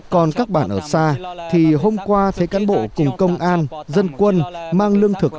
còn các bản ở xa thì hôm qua thấy cán bộ cùng công an dân quân mang lương thực